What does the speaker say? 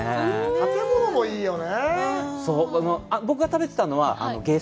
建物もいいよね。